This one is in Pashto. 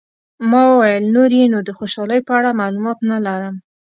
ما وویل، نور یې نو د خوشحالۍ په اړه معلومات نه لرم.